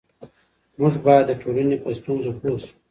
موږ باید د ټولنې په ستونزو پوه سو.